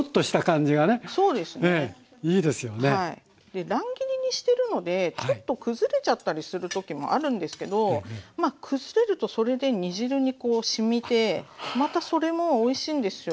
で乱切りにしてるのでちょっと崩れちゃったりする時もあるんですけどまあ崩れるとそれで煮汁にしみてまたそれもおいしいんですよ。